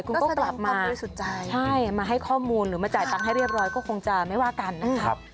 คุณก็กลับมาบริสุทธิ์ใจใช่มาให้ข้อมูลหรือมาจ่ายตังค์ให้เรียบร้อยก็คงจะไม่ว่ากันนะครับ